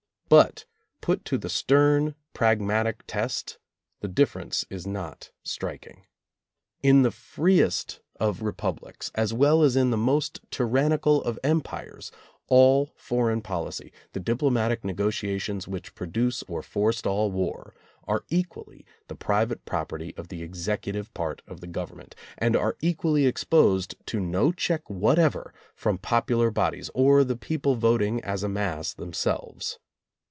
But, put to the stern pragmatic test, the difference is not striking. In the f reeest of re publics as well as in the most tyrannical of Em pires, all foreign policy, the diplomatic negotia tions which produce or forestall war, are equally the private property of the Executive part of the Government, and are equally exposed to no check whatever from popular bodies, or the people vot ing as a mass themselves.